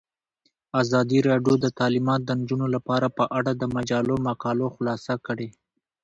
ازادي راډیو د تعلیمات د نجونو لپاره په اړه د مجلو مقالو خلاصه کړې.